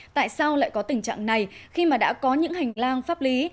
tại sao lại có tình trạng này khi mà đã có những hành lang pháp lý